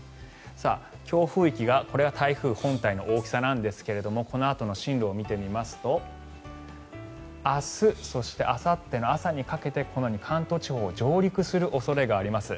強風域が、これが台風本体の大きさなんですがこのあとの進路を見てみますと明日そしてあさっての朝にかけてこのように関東地方に上陸する恐れがあります。